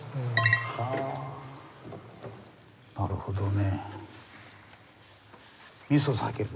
はぁなるほどね。